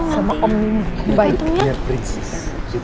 sama om baiknya